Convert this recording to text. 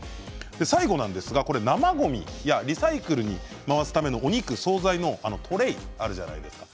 最後なんですが生ごみやリサイクルに回すためのお肉や総菜のトレーがあるじゃないですか。